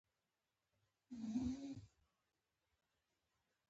زه مې په خپل ورور باور لرم